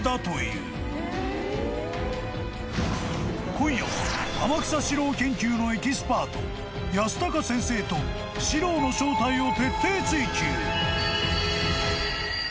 ［今夜は天草四郎研究のエキスパート安高先生と四郎の正体を徹底追求！］